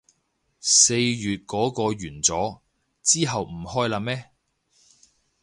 四月嗰個完咗，之後唔開喇咩